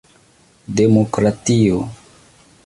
demokratio